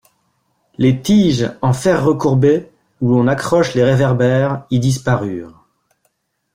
Les tiges en fer recourbé où l'on accroche les réverbères y disparurent.